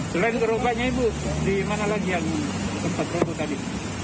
selain gerobaknya ibu di mana lagi yang tempat kerupuk tadi